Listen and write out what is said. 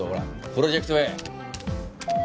『プロジェクトＡ』。